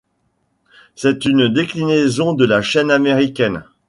C'est une déclinaison de la chaîne américaine.